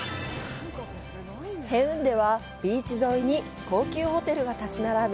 ヘウンデはビーチ沿いに高級ホテルが立ち並ぶ